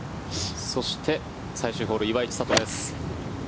そして、最終ホール岩井千怜です。